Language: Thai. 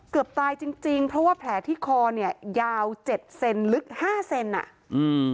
เกือบตายจริงจริงเพราะว่าแผลที่คอเนี้ยยาวเจ็ดเซนลึกห้าเซนอ่ะอืม